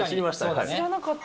知らなかった。